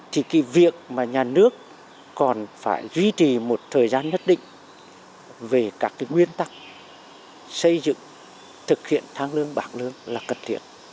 thì cái việc mà nhà nước còn phải duy trì một thời gian nhất định về các cái nguyên tắc xây dựng thực hiện tháng lương bảng lương là cần thiết